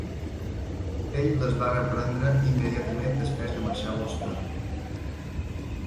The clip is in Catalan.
Ell les va reprendre immediatament després de marxar vostè.